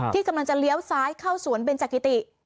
ที่กำลังจะเลี้ยวซ้ายเข้าสวนเบนจักริติ